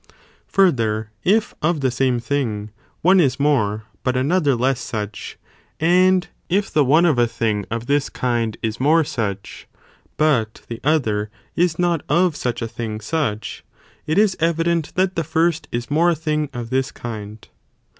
That Further, if of the same thing, one is more, but which is more another less such, and if the one of a thing of auch: this kind is more such, but the other is not of such a thing such, it is evident that the first is more a thing 4th. From "of this kind.